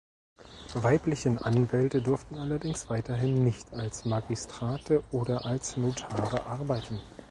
Weiblichen Anwälte durften allerdings weiterhin nicht als Magistrate oder als Notare arbeiten.